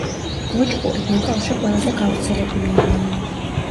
ბოჯპური ნეპალში ყველაზე გავრცელებული ენაა.